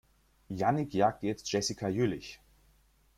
Jannick jagt jetzt Jessica Jüllich.